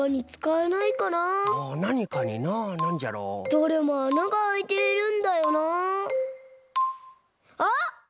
どれも「あながあいている」んだよな。あっ！